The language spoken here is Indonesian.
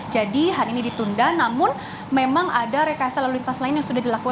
jadi hal ini ditunda namun memang ada rekayasa lalu lintas lain yang sudah dilakukan